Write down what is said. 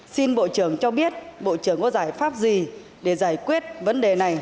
xin bộ trưởng cho biết bộ trưởng có giải pháp gì để giải quyết vấn đề này